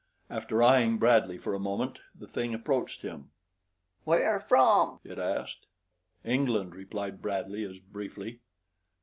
After eyeing Bradley for a moment the thing approached him. "Where from?" it asked. "England," replied Bradley, as briefly.